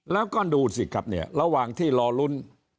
แล้วก็ดูสิครับเนี่ยระหว่างที่รอลุ้น